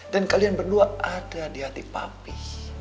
dan kalian berdua ada di hati papi